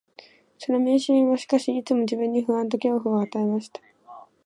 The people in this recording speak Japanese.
その迷信は、しかし、いつも自分に不安と恐怖を与えました